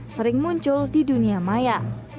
sering muncul di dunia maya